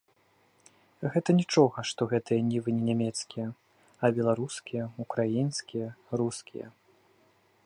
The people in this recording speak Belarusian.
Гэта нічога, што гэтыя нівы не нямецкія, а беларускія, украінскія, рускія.